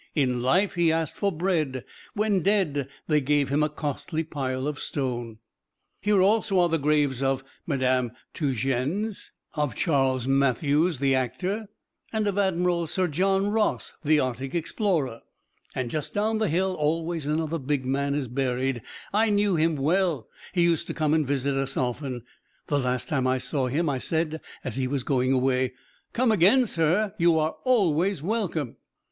In life he asked for bread; when dead they gave him a costly pile of stone. Here are also the graves of Madame Tietjens; of Charles Mathews, the actor; and of Admiral Sir John Ross, the Arctic explorer. "And just down the hill aways another big man is buried. I knew him well; he used to come and visit us often. The last time I saw him I said as he was going away, 'Come again, sir; you are always welcome!'